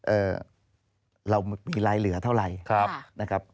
เอ่อเรามีรายเหลือเท่าไหร่